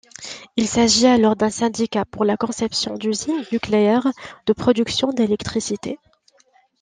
Il s'agit alors d'un syndicat pour la conception d'usines nucléaires de production d'électricité.